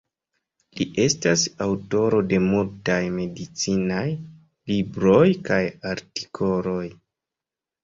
Li estas aŭtoro de multaj medicinaj libroj kaj artikoloj.